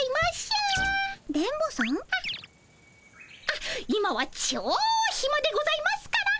あっ今はちょヒマでございますから。